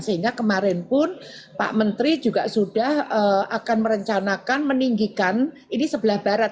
sehingga kemarin pun pak menteri juga sudah akan merencanakan meninggikan ini sebelah barat